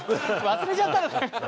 忘れちゃったのか。